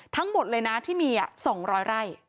ทั้งหมดเลยนะที่มี๒๐๐ไร่